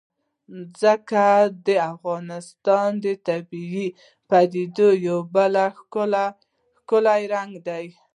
ځمکه د افغانستان د طبیعي پدیدو یو بل ښکلی رنګ دی.